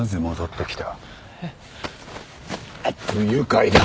不愉快だ。